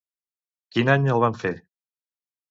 Quin any el va fer?